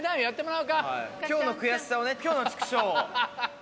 今日の悔しさをね今日のチクショを。